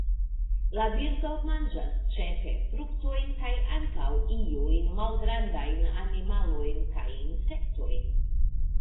La birdo manĝas ĉefe fruktojn kaj ankaŭ iujn malgrandajn animalojn kaj insektojn.